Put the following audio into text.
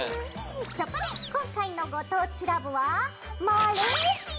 そこで今回の「ご当地ＬＯＶＥ」はマレーシア！